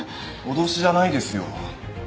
脅しじゃないですよ。